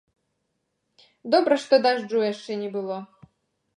Добра, што дажджу яшчэ не было.